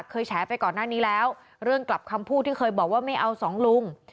แฉไปก่อนหน้านี้แล้วเรื่องกลับคำพูดที่เคยบอกว่าไม่เอาสองลุง